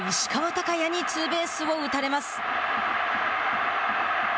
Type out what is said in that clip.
昂弥にツーベースを打たれます。